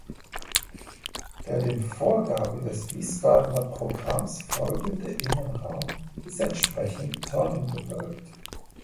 Der den Vorgaben des Wiesbadener Programms folgende Innenraum ist entsprechend tonnengewölbt.